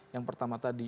yang pertama tadi